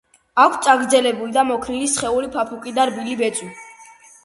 აქვთ წაგრძელებული და მოქნილი სხეული, ფაფუკი და რბილი ბეწვი.